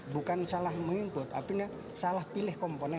bukan salah mengikut tapi salah pilih komponen